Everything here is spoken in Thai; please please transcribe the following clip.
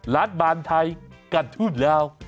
อ๋อรัฐบาลไทยกับทูปลาว